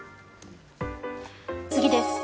次です。